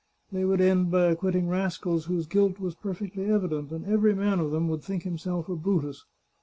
They would end by acquitting rascals whose guilt was per fectly evident, and every man of them would think himself a Brutus.